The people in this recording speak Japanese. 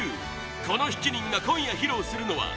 この７人が今夜披露するのは